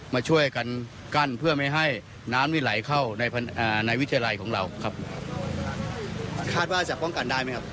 มาช่วยกันกั้นเพื่อไม่ให้น้ำนี่ไหลเข้าในวิทยาลัยของเราครับคาดว่าจะป้องกันได้ไหมครับ